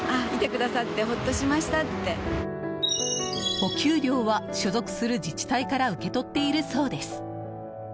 お給料は所属する自治体から受け取っているそうです。